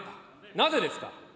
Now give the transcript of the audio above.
なぜですか？